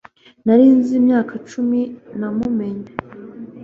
Nari nzi imyaka icumi namumenye